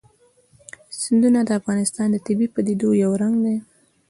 سیندونه د افغانستان د طبیعي پدیدو یو رنګ دی.